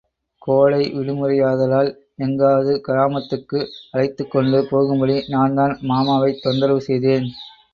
கோடை விடுமுறையாதலால் எங்காவது கிராமத்துக்கு அழைத்துக்கொண்டு போகும்படி நான்தான் மாமாவைத் தொந்தரவு செய்தேன்.